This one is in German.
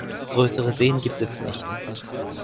Größere Seen gibt es nicht.